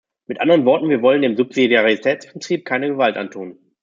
Mit anderen Worten, wir wollen dem Subsidiaritätsprinzip keine Gewalt antun.